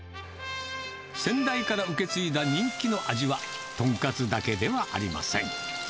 先代から受け継いだ人気の味は、豚カツだけではありません。